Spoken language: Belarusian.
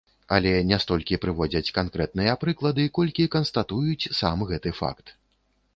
Але не столькі прыводзяць канкрэтныя прыклады, колькі канстатуюць сам гэты факт.